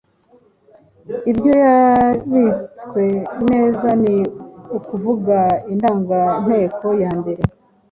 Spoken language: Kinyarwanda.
Ibyo yabitswe neza ni ukuvugaindangantego ya mbere